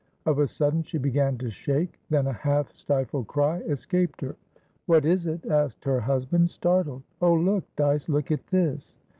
Of a sudden she began to shake; then a half stifled cry escaped her. "What is it?" asked her husband, startled. "Oh, look, Dyce! Look at this!"